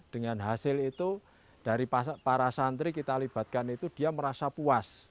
dengan hasil itu dari para santri kita libatkan itu dia merasa puas